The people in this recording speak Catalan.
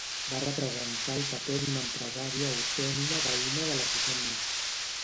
Va representar el paper d'una empresària autònoma veïna de la Susanna.